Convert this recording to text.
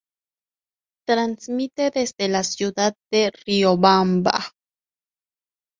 Transmite desde la ciudad de Riobamba.